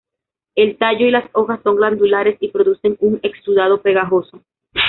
El tallo y las hojas son glandulares y producen un exudado pegajoso.